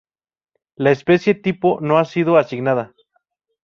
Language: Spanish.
La especie tipo no ha sido asignada.